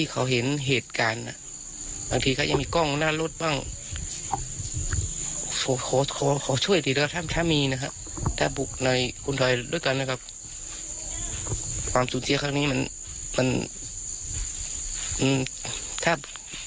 ความสูญเสียข้างนี้มันแท้มีไม่ได้นะครับ